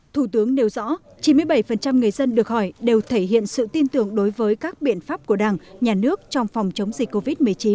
thủ tướng nêu rõ chín mươi bảy người dân được hỏi đều thể hiện sự tin tưởng đối với các biện pháp của đảng nhà nước trong phòng chống dịch covid một mươi chín